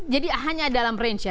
jadi hanya dalam range ya